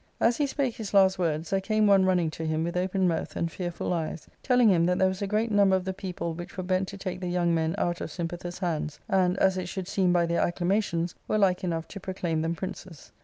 As he spake his last words, there came one running to him with open mouth and fearful eyes, telling him that there was a great number of the people which were bent to take the young men out of Sympathus' hands, and, as it should seem by their acclamations, were like enough to proclaim them princes.